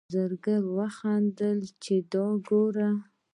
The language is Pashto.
زرګر وخندل چې دا وګوره.